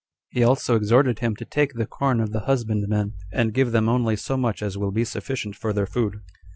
He also exhorted him to take the corn of the husbandmen, and give them only so much as will be sufficient for their food.